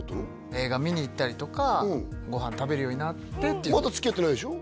映画見に行ったりとかご飯食べるようになってまだつきあってないでしょ？